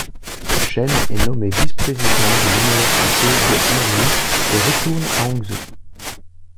Chen est nommé vice-président de l'Université de Hangzhou et retourne à Hangzhou.